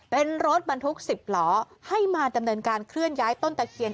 เป็นรถบรรทุก๑๐ล้อให้มาดำเนินการเคลื่อนย้ายต้นตะเคียน